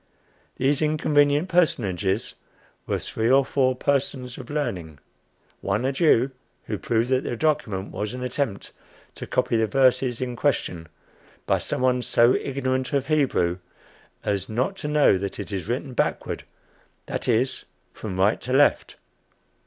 These inconvenient personages were three or four persons of learning: one a Jew, who proved that the document was an attempt to copy the verses in question, by some one so ignorant of Hebrew as not to know that it is written backward, that is, from right to left.